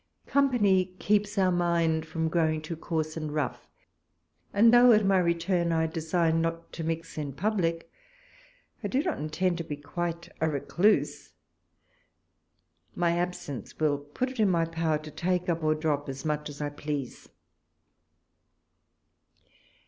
Company keeps our rind from growing too coarse and rough ; and though at my return I design not to mix in public, I do not intend to be quite a recluse. My absence will put it in my power to take up or drop as much as 1 please.